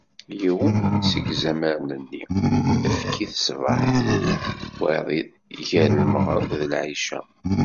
Yiwen seg izamaren-nni, efk-it ṣṣbeḥ, wayeḍ gar lmeɣreb d lɛica.